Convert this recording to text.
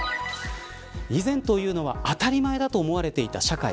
以前というのは当たり前だと思われていた社会